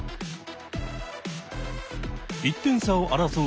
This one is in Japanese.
１点差を争う